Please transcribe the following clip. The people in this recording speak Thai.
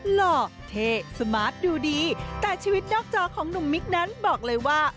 หล่อเท่สมาร์ทดูดีแต่ชีวิตนอกจอของหนุ่มมิกนั้นบอกเลยว่า